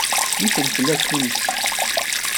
D ifelfel atunsi.